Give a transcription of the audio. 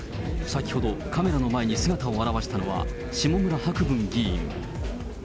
先ほど、カメラの前に姿を現したのは、下村博文議員。